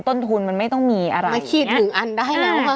ต้นทุนมันไม่ต้องมีอะไรมาคิดถึงอันได้แล้วว่า